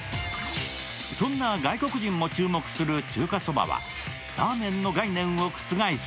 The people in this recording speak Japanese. そんな外国人も注目する中華そばはラーメンの概念を覆す